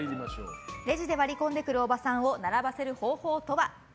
レジで割り込んでくるおばさんを並ばせる方法とは？